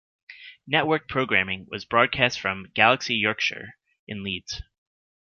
Networked programming was broadcast from Galaxy Yorkshire in Leeds.